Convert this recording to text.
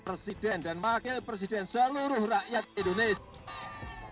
presiden dan wakil presiden seluruh rakyat indonesia